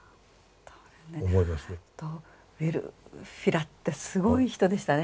ウルフィラってすごい人でしたね。